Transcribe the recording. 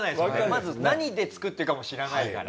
まず何で作ってるかも知らないから。